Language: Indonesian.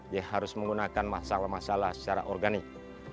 dia harus menggunakan masalah masalah secara organik